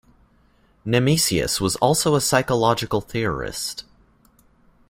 Nemesius was also a physiological theorist.